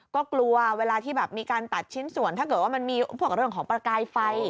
ก็กลัวเวลาที่แบบมีการตัดชิ้นส่วนถ้าเกิดว่ามันมีพวกเรื่องของประกายไฟ